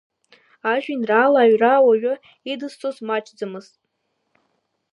Ажәеинраала аҩра ауаҩы идызҵоз маҷӡамызт…